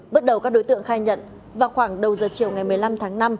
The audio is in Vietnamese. bước đầu các đối tượng khai nhận vào khoảng đầu giờ chiều ngày một mươi năm tháng năm